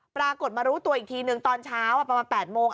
ปรากฏมารู้ตัวอีกทีนึงตอนเช้าประมาณ๘โมง